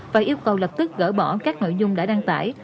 và yêu cầu lập tức gỡ bỏ các nội dung đã đăng tải